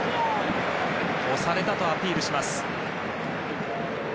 押されたとアピールします。